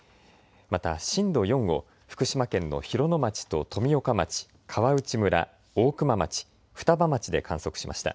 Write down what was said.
また震度４を福島県の広野町と富岡町、川内村、大熊町、双葉町で観測しました。